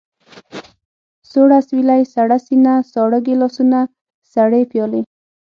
سوړ اسوېلی، سړه سينه، ساړه ګيلاسونه، سړې پيالې.